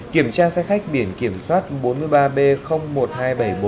kiểm tra xe khách biển kiểm soát bốn mươi ba b một nghìn hai trăm bảy mươi bốn